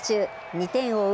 ２点を追う